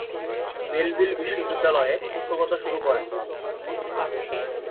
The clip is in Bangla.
মেলভিল বিদ্যালয়ে শিক্ষকতা শুরু করেন।